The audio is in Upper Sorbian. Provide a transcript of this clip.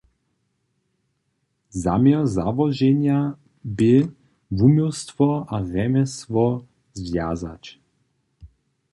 Zaměr załoženja bě, wuměłstwo a rjemjesło zwjazać.